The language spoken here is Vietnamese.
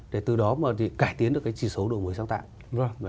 để từ đó mà cải tiến được cái chỉ số đổi mới sáng tạo